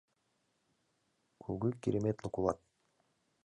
Кугу кереметлык улат!